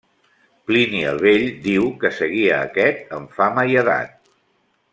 Plini el Vell diu que seguia a aquest en fama i edat.